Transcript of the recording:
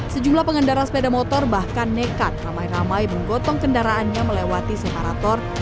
sejumlah pengendara sepeda motor bahkan nekat ramai ramai menggotong kendaraannya melewati separator